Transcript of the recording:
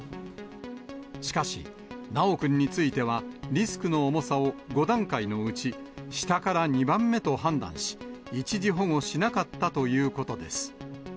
しかし、修くんについてはリスクの重さを５段階のうち、下から２番目と判断し、一時保護しなかったということです。